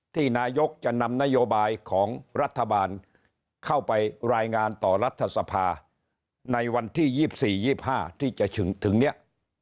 นายกจะนำนโยบายของรัฐบาลเข้าไปรายงานต่อรัฐสภาในวันที่๒๔๒๕ที่จะถึงเนี่ย